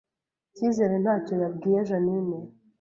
Cyizere ntacyo yabwiye Jeaninne